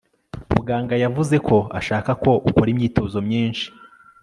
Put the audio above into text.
muganga yavuze ko ashaka ko ukora imyitozo myinshi